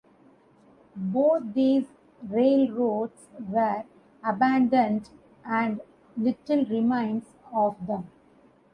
Both these railroads were abandoned and little remains of them.